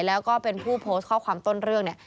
แล้วก็เป็นผู้โพสต์ข้อความต้นเรื่องเนี่ย